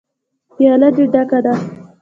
_پياله دې ډکه ده.